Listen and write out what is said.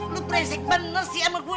lu beresik benar sih sama gue